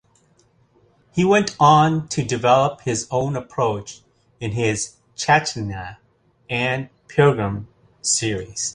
He went on to develop his own approach in his "Chaitanya" and "Pilgrim" series.